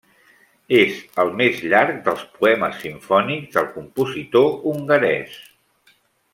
És el més llarg dels poemes simfònics del compositor hongarès.